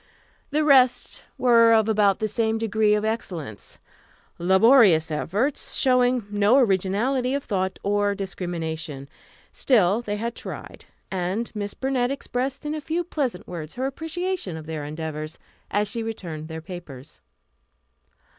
The rest were of about the same degree of excellence laborious efforts, showing no originality of thought or discrimination. Still, they had tried, and Miss Burnett expressed in a few pleasant words her appreciation of their endeavors, as she returned their papers.